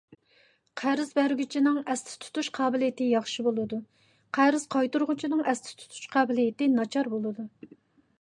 قەرز بەرگۈچىنىڭ ئەستە تۇتۇش قابىلىيىتى ياخشى بولىدۇ، قەرز قايتۇرغۇچىنىڭ ئەستە تۇتۇش قابىلىيىتى ناچار بولىدۇ.